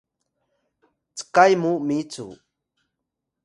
ckay mu micu!